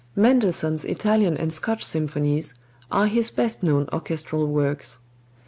Mendelssohn's Italian and Scotch symphonies are his best known orchestral works.